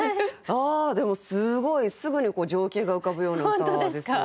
でもすごいすぐに情景が浮かぶような歌ですよね。